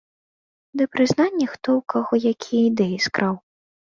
Ды прызнанні, хто ў каго якія ідэі скраў.